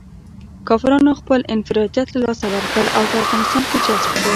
کافرانو خپل انفرادیت له لاسه ورکړ او په افغانستان کې جذب شول.